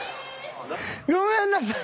ごめんなさい。